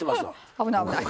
危ない危ない。